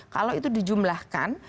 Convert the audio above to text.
kalau itu dijumlahkan